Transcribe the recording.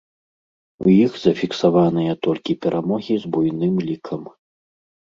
У іх зафіксаваныя толькі перамогі з буйным лікам.